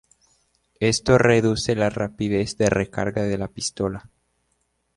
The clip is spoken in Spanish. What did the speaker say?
Esto reduce la rapidez de recarga de la pistola.